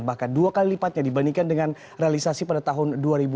bahkan dua kali lipatnya dibandingkan dengan realisasi pada tahun dua ribu dua puluh